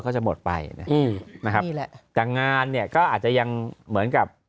จะหมดไปนะครับกับงานเนี่ยก็อาจยังเหมือนกับ